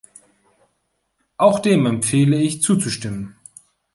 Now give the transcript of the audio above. Auch dem empfehle ich zuzustimmen.